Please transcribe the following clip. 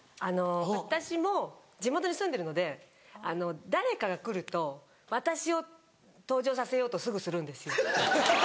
私も地元に住んでるので誰かが来ると私を登場させようとすぐするんですよ。